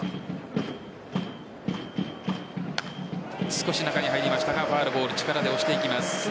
少し中に入りましたがファウルボール力で押していきます。